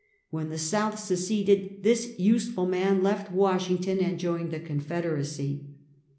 When the South seceded, this useful man left AVashington and joined the Con federacy.